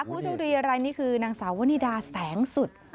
ผู้โชคดีอะไรนี่คือนางสาววนิดาแสงสุด